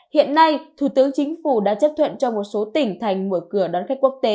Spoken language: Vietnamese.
hiện nay thủ tướng chính phủ đã chấp thuận cho một số tỉnh thành mở cửa đón khách quốc tế